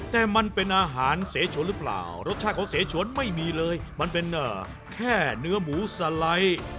แต่มันเป็นอาหารเสชนหรือเปล่ารสชาติของเสชนไม่มีเลยมันเป็นแค่เนื้อหมูสไลด์